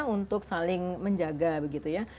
untuk saling menjaga begitu ya